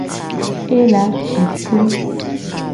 Ela ci kpo.